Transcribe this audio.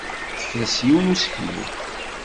Tefres yiwen n useklu.